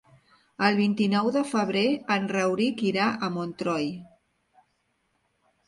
El vint-i-nou de febrer en Rauric irà a Montroi.